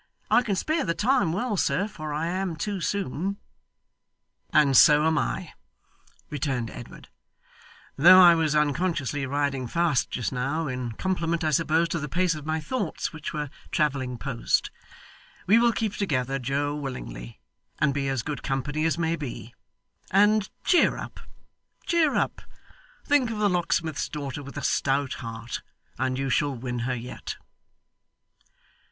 I can spare the time well, sir, for I am too soon.' 'And so am I,' returned Edward, 'though I was unconsciously riding fast just now, in compliment I suppose to the pace of my thoughts, which were travelling post. We will keep together, Joe, willingly, and be as good company as may be. And cheer up, cheer up, think of the locksmith's daughter with a stout heart, and you shall win her yet.